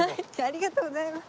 ありがとうございます。